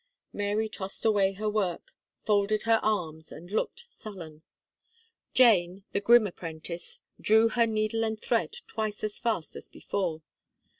Mary tossed away her work, folded her arms, and looked sullen. Jane, the grim apprentice, drew her needle and thread twice as fast as before.